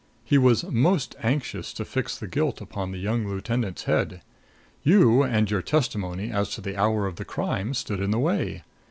He was most anxious to fix the guilt upon the young lieutenant's head. You and your testimony as to the hour of the crime stood in the way.